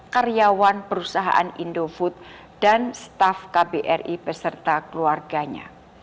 karyawan perusahaan indofood dan staff kbri beserta keluarganya